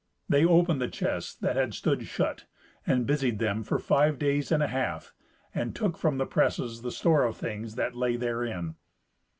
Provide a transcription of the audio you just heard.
They opened the chests that had stood shut, and busied them for five days and a half, and took from the presses the store of things that lay therein.